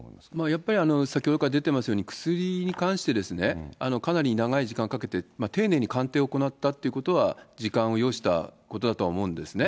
やっぱり先ほどから出てますように、薬に関して、かなり長い時間かけて、丁寧に鑑定を行ったってことは時間を要したことだとは思うんですね。